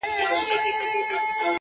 ه یاره دا زه څه اورمه ـ څه وینمه ـ